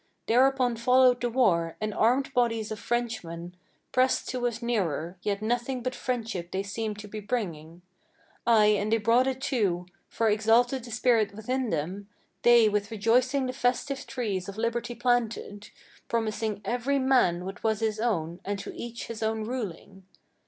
Thereupon followed the war, and armed bodies of Frenchmen Pressed to us nearer; yet nothing but friendship they seemed to be bringing; Ay, and they brought it too; for exalted the spirit within them: They with rejoicing the festive trees of liberty planted, Promising every man what was his own, and to each his own ruling.